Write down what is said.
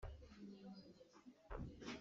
Ka phut lomi ka duh sual rua.